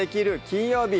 金曜日」